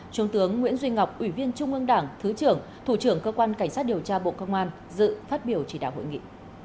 trung tướng nguyễn duy ngọc ủy viên trung ương đảng thứ trưởng thủ trưởng cơ quan cảnh sát điều tra bộ công an dự phát biểu chỉ đạo hội nghị